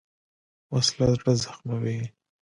وسله زړه زخموي